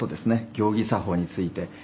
行儀作法について」